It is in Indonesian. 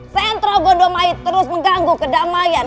sentral gondomayi terus mengganggu kedamaian